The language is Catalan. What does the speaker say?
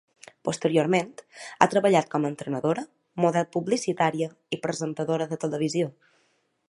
Posteriorment, ha treballat com a entrenadora, model publicitària i presentadora de televisió.